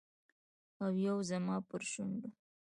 او یو زما پر شونډو